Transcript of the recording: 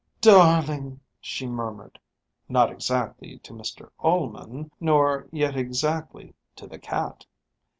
"Darling!" she murmured, not exactly to Mr Ullman, nor yet exactly to the cat.